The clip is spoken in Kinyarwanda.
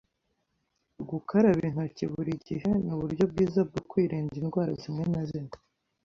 Gukaraba intoki buri gihe nuburyo bwiza bwo kwirinda indwara zimwe na zimwe.